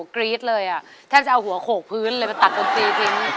ก็บอกดี